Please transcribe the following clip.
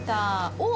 おっ！